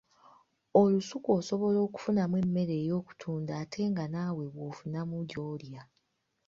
Olusuku osobola okufunamu emmere ey’okutunda ate nga naawe bw’ofunamu gy’olya.